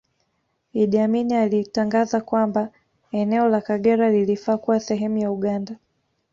Idi Amin alitangaza kwamba eneo la Kagera lilifaa kuwa sehemu ya Uganda